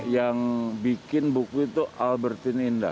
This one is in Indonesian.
yang bikin buku itu albertin indah